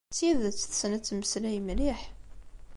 D tidet tessen ad temmeslay mliḥ.